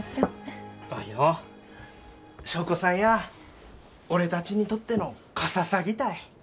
祥子さんや俺たちにとってのカササギたい。